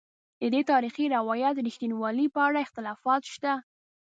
ددې تاریخي روایت د رښتینوالي په اړه اختلافات شته.